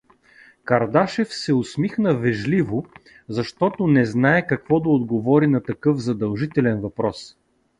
Кардашев се усмихна вежливо, защото не знае какво да отговори на такъв задължителен въпрос.